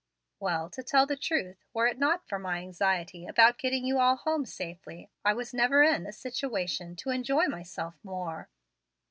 "Well, to tell the truth, were it not for my anxiety about getting you all home safely, I was never in a situation to enjoy myself more."